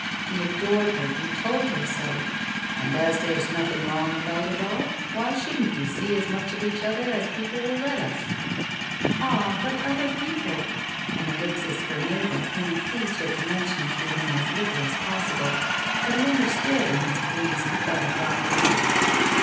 He adored her, he told her so — "and as there's nothing wrong about it all, why shouldn't we see as much of each other t as people will let us ?" "Ah, but other people "— an ellipsis for Mabel, whom it pleased her to mention to him as little as possible. But he understood, in his breezy, butterfly way.